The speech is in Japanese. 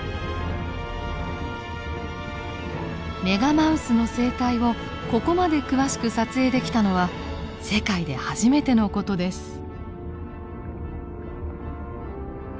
メガマウスの生態をここまで詳しく撮影できたのは世界で初めての事です。